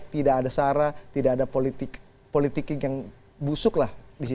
tidak ada sara tidak ada politiking yang busuk lah di situ